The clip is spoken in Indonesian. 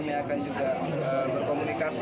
kami akan juga berkomunikasi